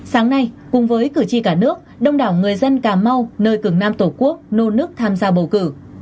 sáng nay cùng với cử tri cả nước đông đảo người dân cà mau nơi cường nam tổ quốc nô nước tham gia bầu cử